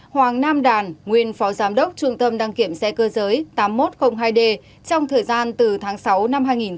trần xuân hải nguyên phó giám đốc trung tâm năng kiểm xe cơ giới tám nghìn một trăm linh hai d trong thời gian từ tháng năm năm hai nghìn hai mươi hai về tội nhận hối lộ